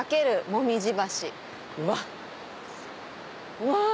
うわ！